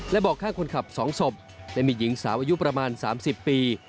และบอกข้างคนขับ๒ศพและมีหญิงสาวอายุประมาณ๓๐ปี